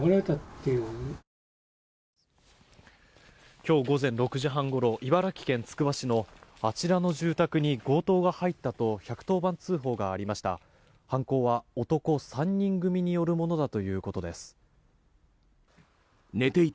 今日午前６時半ごろ茨城県つくば市のあちらの住宅に強盗が入ったと１１０番通報がありました。